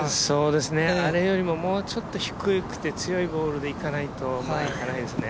あれよりももうちょっと低くて強いボールでいかないといかないですね。